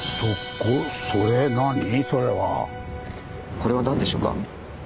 これは何でしょうか？